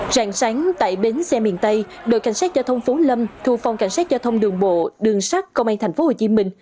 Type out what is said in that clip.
rạng sáng tại bến xe miền tây đội cảnh sát giao thông phú lâm thu phòng cảnh sát giao thông đường bộ đường sát công an tp hcm